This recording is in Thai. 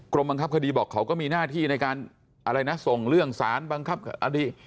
บังคับคดีบอกเขาก็มีหน้าที่ในการอะไรนะส่งเรื่องสารบังคับคดี